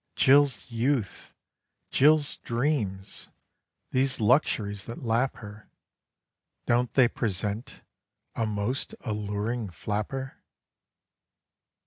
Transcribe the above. Jill's youth! Jill's dreams! These luxuries that lap her!... Don't they present a most alluring flapper?